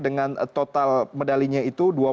dengan total medalinya itu dua puluh